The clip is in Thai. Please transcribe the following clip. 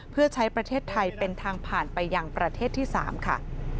เพื่อใช้ประเทศไทยเป็นทางผ่านไปยังประเทศที่๓ค่ะ